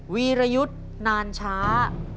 วีรยุทธ์นานช้า